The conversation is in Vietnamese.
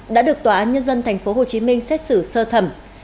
đã được tòa án nhân dân tp hcm xét xử sơ thẩm